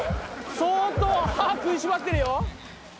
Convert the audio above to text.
相当歯食いしばってるよ。